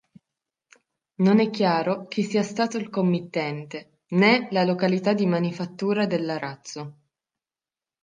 Non è chiaro chi sia stato il committente né la località di manifattura dell'arazzo.